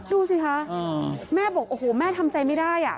ดูสิคะแม่บอกโอ้โหแม่ทำใจไม่ได้อ่ะ